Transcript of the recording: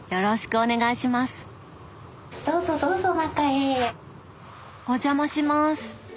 お邪魔します。